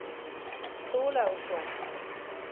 سوله وشوه.